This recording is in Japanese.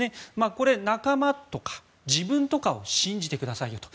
これ、仲間とか自分とかを信じてくださいよと。